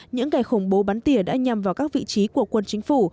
những ngày khủng bố bắn tỉa đã nhằm vào các vị trí của quân chính phủ